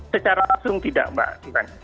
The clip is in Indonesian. secara langsung tidak mbak tiffany